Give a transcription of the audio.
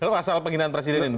pasal penggunaan presiden ini